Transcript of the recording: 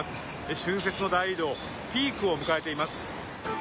春節の大移動ピークを迎えています。